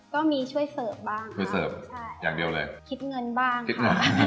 ก็มีช่วยเสิร์ฟบ้างค่ะคุยเสิร์ฟอย่างเดียวเลยคิดเงินบ้างค่ะ